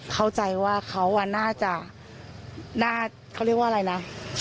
เข้าใจว่าเขาน่าจะเขาเรียกว่าอะไรนะ